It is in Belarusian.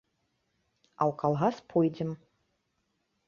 А ў калгас пойдзем.